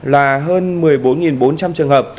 là hơn một mươi bốn bốn trăm linh trường hợp